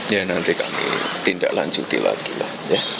ya nanti kami tindak lanjuti lagi lah ya